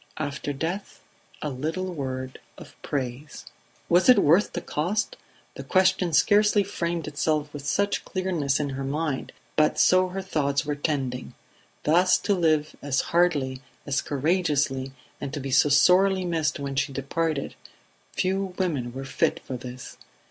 After death, a little word of praise. Was it worth the cost? The question scarcely framed itself with such clearness in her mind, but so her thoughts were tending. Thus to live, as hardly, as courageously, and to be so sorely missed when she departed, few women were fit for this.